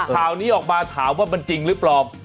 ข่าวนี้ออกมาถามว่ามันจริงหรือเปล่า